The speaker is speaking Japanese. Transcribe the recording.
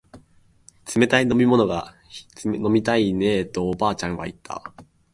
冷たい飲み物が飲みたいねえとおばあちゃんは言った